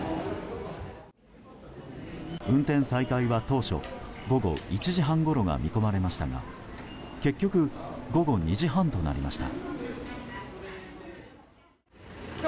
運転再開は当初、午後１時半ごろが見込まれましたが結局、午後２時半となりました。